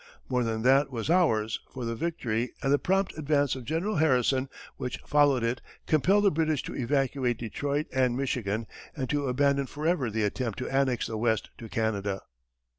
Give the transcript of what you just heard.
More than that was ours, for the victory, and the prompt advance of General Harrison which followed it, compelled the British to evacuate Detroit and Michigan, and to abandon forever the attempt to annex the West to Canada.